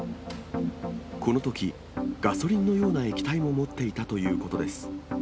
このとき、ガソリンのような液体も持っていたということです。